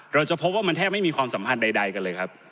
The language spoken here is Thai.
เราจะพบว่ามันแทบไม่มีความสัมพันธ์ใดกันเลยครับ